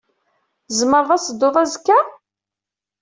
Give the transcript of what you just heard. Tzemreḍ ad tebduḍ azekka?